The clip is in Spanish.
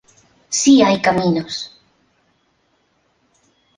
Si Hay Caminos.